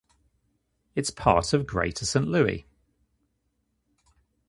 It is part of Greater Saint Louis.